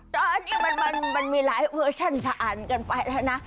ตอนนี้มันมีหลายเวอร์ชันอ่านกันไปแล้วนะ